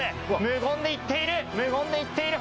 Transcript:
無言でいっている！